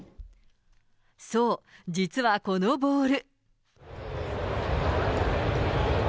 そう、実はこのボール。